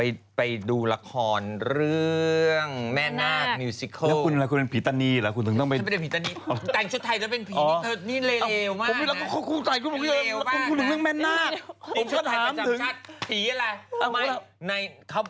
ให้ติดชุดไทยชัดถีอะไร